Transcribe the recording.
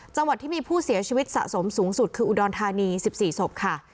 จังหวัดที่มีผู้เสียชีวิตสะสมสูงสุดคืออุดรธานี๑๔ศพค่ะ